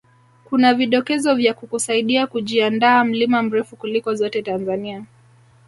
kuna vidokezo vya kukusaidia kujiandaa mlima mrefu kuliko zote Tanzania